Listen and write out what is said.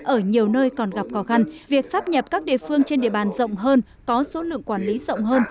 ở nhiều nơi còn gặp khó khăn việc sắp nhập các địa phương trên địa bàn rộng hơn có số lượng quản lý rộng hơn